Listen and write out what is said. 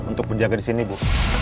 untuk berjaga disini bu